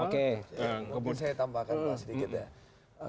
oke mungkin saya tambahkan sedikit ya